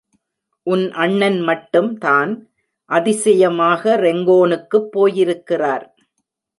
உன் அண்ணன் மட்டும் தான் அதிசயமாக ரெங்கோனுக்குப் போயிருக்கிறார்?